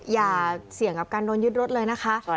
อย่าเสี่ยงกับการโดนยึดรถเลยนะคะ